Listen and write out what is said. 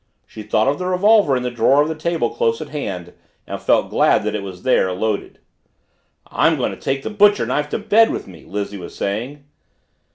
She thought of the revolver in the drawer of the table close at hand and felt glad that it was there, loaded. "I'm going to take the butcher knife to bed with me!" Lizzie was saying.